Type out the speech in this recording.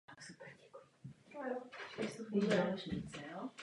Stromy mají opěrné pilíře u paty kmene.